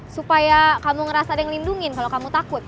supaya kamu ngerasa ada yang lindungi kalau kamu takut